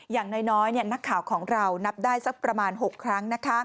อย่างน้อยนักข่าวของเรานับได้สักประมาณ๖ครั้ง